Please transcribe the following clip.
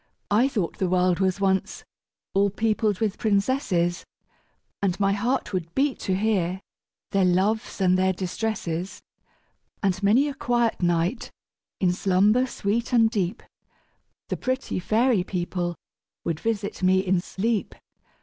I thought the world was once all peopled with princésses, And my heart would beat to hear their loves and their distresses; And many a quiet night in slumber sweet and deep, The pretty fairy people would visit me in sleep.